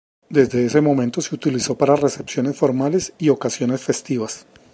Desde ese momento, se utilizó para recepciones formales y ocasiones festivas.